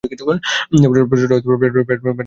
প্রচন্ড পেট ব্যথা হয় আর বমি হয়।